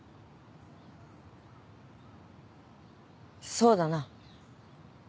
そうだな。